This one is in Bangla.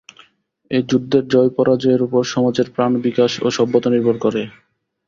এ যুদ্ধের জয়পরাজয়ের উপর সমাজের প্রাণবিকাশ ও সভ্যতা নির্ভর করে।